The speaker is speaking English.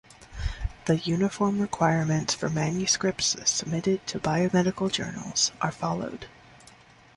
The "Uniform Requirements for Manuscripts Submitted to Biomedical Journals" are followed.